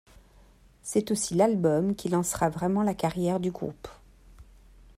C'est aussi l'album qui lancera vraiment la carrière du groupe.